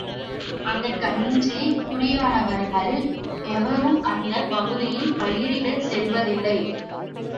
அதற்கு அஞ்சிக் குடியானவர்கள் எவரும் அந்தப் பகுதியில் பயிரிடச் செல்வதேயில்லை.